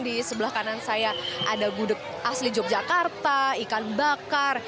di sebelah kanan saya ada gudeg asli yogyakarta ikan bakar